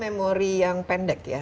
memori yang pendek ya